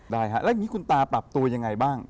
ได้ฮะแล้วอย่างนี้คุณตาปรับตัวยังไงบ้าง